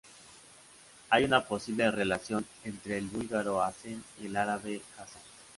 Hay una posible relación entre el búlgaro Asen y el árabe Hasan.